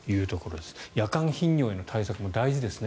夜間頻尿への対策も大事ですね